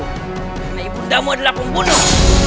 karena ibundamu adalah pembunuh